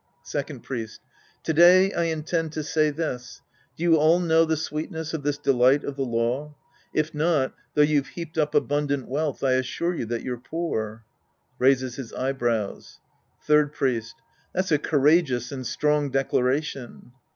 Second Priest. To day I intend to say this : Do you all know the sweetness of this delight of the law? If not, though you've heaped up abundant wealth, I assure you tliat you're poor. (Raises his eyebrows^ Third Priest. That's a courageous and strong declaration.